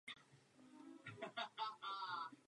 Dražší stupně výbavy měly plastové doplňky.